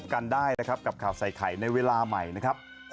กันได้นะครับกับข่าวใส่ไข่ในเวลาใหม่นะครับ